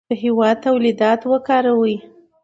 د هېواد تولیدات وکاروئ.